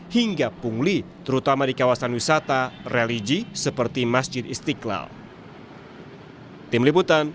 hingga pungli terutama di kawasan wisata religi seperti masjid istiqlal